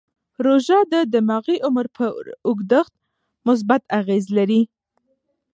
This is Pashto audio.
روژه د دماغي عمر پر اوږدښت مثبت اغېز لري.